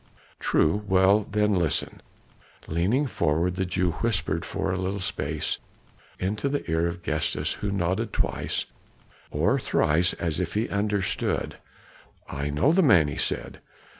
"True; well then listen!" leaning forward, the Jew whispered for a little space into the ear of Gestas, who nodded twice or thrice as if he understood. "I know the man," he said.